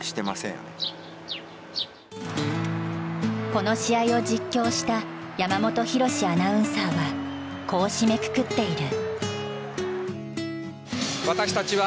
この試合を実況した山本浩アナウンサーはこう締めくくっている。